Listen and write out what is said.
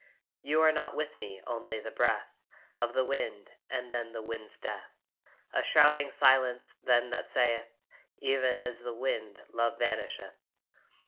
You are not with me, only the breath Of the wind and then the wind's death. A shrouding silence then that saith, "Even as wind love vanisheth."